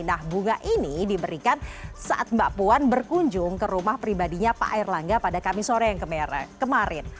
nah bunga ini diberikan saat mbak puan berkunjung ke rumah pribadinya pak erlangga pada kamis sore yang kemarin